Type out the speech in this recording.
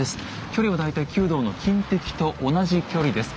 距離は大体弓道の近的と同じ距離です。